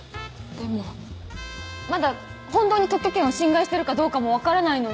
でもまだ本当に特許権を侵害してるかどうかも分からないのに。